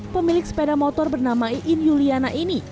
pemilik sepeda motor bernama iin yuliana ini